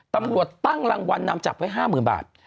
ตำรวจตั้งรางวัลนำจับไว้๕๐๐๐บาท